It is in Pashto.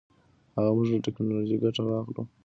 که موږ له ټیکنالوژۍ ګټه واخلو نو بریالي کیږو.